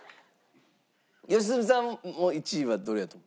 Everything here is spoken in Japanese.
良純さんも１位はどれやと。